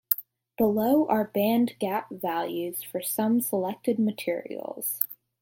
Below are band gap values for some selected materials.